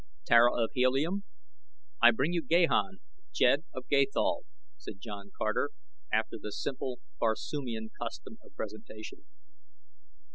"Tara of Helium, I bring you Gahan, Jed of Gathol," said John Carter, after the simple Barsoomian custom of presentation.